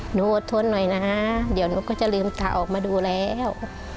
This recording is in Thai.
อดทนหน่อยนะเดี๋ยวหนูก็จะลืมตาออกมาดูแล้ว